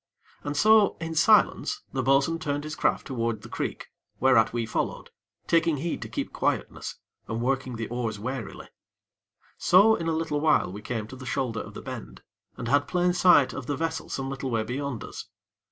And so, in silence, the bo'sun turned his craft toward the creek, whereat we followed, taking heed to keep quietness, and working the oars warily. So, in a little, we came to the shoulder of the bend, and had plain sight of the vessel some little way beyond us.